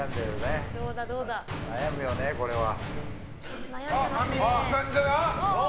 悩むよね、これは。